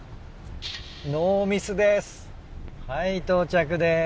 はい到着です。